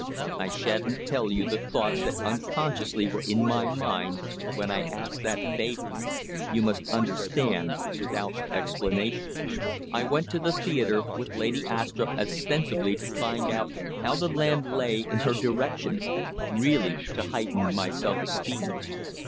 I sha'n't tell you the thoughts that unconsciously were in my mind when I asked that favor. You must understand without explanation. "I went to the theatre with Lady Astrupp ostensibly to find out how the land lay in her direction really to heighten my self esteem.